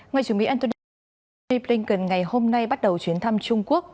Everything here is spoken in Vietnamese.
ngoại trưởng mỹ antony bliny blinken ngày hôm nay bắt đầu chuyến thăm trung quốc